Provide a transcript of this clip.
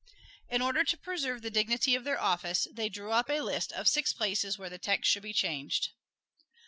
In order to preserve the dignity of their office, they drew up a list of six places where the text should be changed.